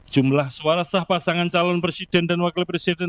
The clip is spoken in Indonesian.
jumlah suara sah pasangan calon presiden dan wakil presiden